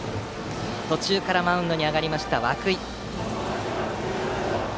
途中からマウンドに上がりました涌井。